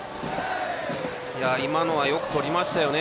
今のはよくとりましたよね